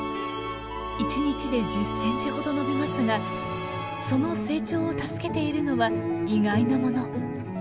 一日で１０センチほど伸びますがその成長を助けているのは意外なもの。